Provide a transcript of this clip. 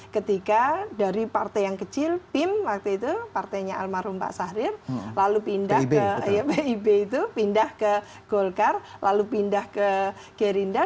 ketika dari partai yang kecil pim waktu itu partainya almarhum pak sahrir lalu pindah ke pib itu pindah ke golkar lalu pindah ke gerindra